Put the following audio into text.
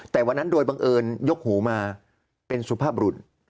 แต่วันนั้นโดยบังเอิญยกหูมาเป็นสุภาพบรุณ